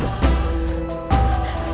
entah kemana ibu nda